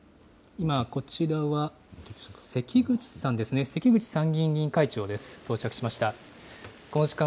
今、こちらは、関口さんですね、関口参議院議員会長です。